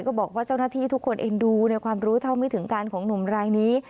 บอกว่าเจ้าหน้าที่ทุกคนเอ็นดูในความรู้เท่าไม่ถึงการของหนุ่มรายนี้